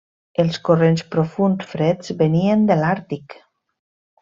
Els corrents profunds freds venien de l'Àrtic.